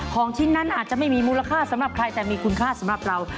ของชิ้นนั้นอาจจะไม่มีมูลค่าสำหรับใครแต่มีคุณค่าสำหรับเรา